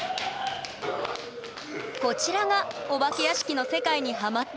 こちらがお化け屋敷の世界にハマっている颯太くん！